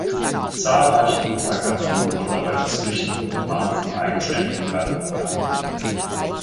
Die zahlreichen Untergattungen wurden aber inzwischen in den Rang von eigenständigen Gattungen erhoben.